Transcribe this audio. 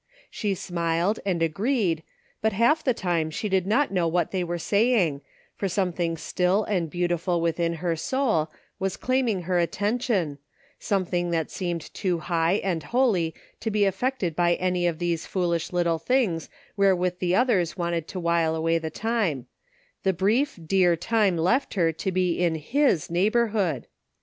She smiled and agreed, but half the time she did not know what they were saying, for something still and beautiftd within her soul was claiming her attention, something that seemed too high and holy to be affected by any of these foolish little things where with the others wanted to while away the time — ^the brief, dear time left her to be in his neighborhood!